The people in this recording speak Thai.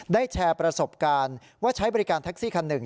แชร์ประสบการณ์ว่าใช้บริการแท็กซี่คันหนึ่ง